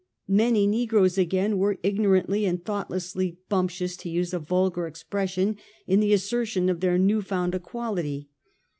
Many negroes, again, were ignorantly and thoughtlessly ' bumptious,' to use a vulgar expression, in tbe assertion of their newly found equality.